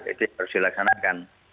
itu harus dilaksanakan